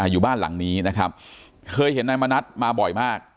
อยู่บ้านหลังนี้นะครับเคยเห็นนายมณัฐมาบ่อยมาก